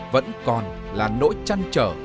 vẫn còn là nỗi chăn trở